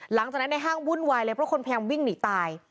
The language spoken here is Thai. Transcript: หลังจากนั้นในห้างวุ่นวายเลยเพราะคนพยายามวิ่งหนีตาย